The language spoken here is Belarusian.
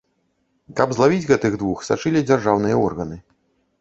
Каб злавіць гэтых двух, сачылі дзяржаўныя органы.